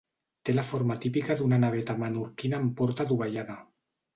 Té la forma típica d'una naveta menorquina amb porta dovellada.